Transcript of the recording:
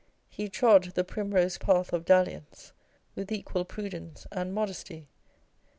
He " trod the primrose path of dalliance " with equal prudence and modesty.